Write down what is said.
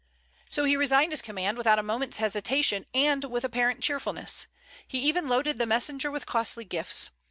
So he resigned his command without a moment's hesitation, and with apparent cheerfulness. He even loaded the messenger with costly gifts.